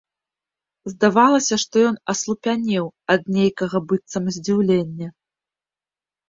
Здавалася, што ён аслупянеў ад нейкага быццам здзіўлення.